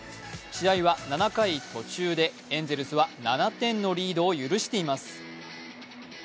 試合は７回途中でエンゼルスは７点のリードを許しています。